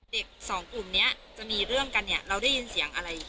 สองกลุ่มเนี้ยจะมีเรื่องกันเนี่ยเราได้ยินเสียงอะไร